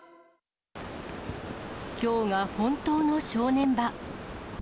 きょうが本当の正念場。